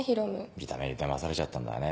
見た目にだまされちゃったんだね。